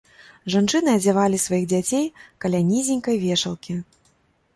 Жанчыны адзявалі сваіх дзяцей каля нізенькай вешалкі.